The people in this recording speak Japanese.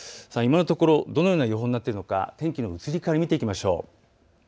今のところどのような予報になっているのか、天気の移り変わりを見ていきましょう。